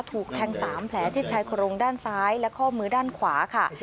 ถูกแทง๓แผลที่ชายโครงด้านซ้ายและข้อมือด้านขวาค่ะ